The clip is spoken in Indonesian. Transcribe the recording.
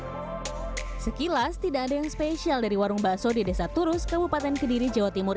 hai sekilas tidak ada yang spesial dari warung bakso di desa turus kabupaten kediri jawa timur